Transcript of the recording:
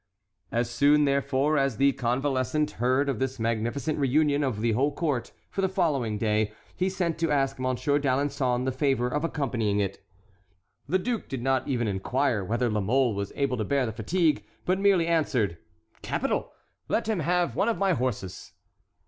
As soon, therefore, as the convalescent heard of this magnificent reunion of the whole court for the following day he sent to ask Monsieur d'Alençon the favor of accompanying it. The duke did not even inquire whether La Mole was able to bear the fatigue, but merely answered: "Capital! Let him have one of my horses."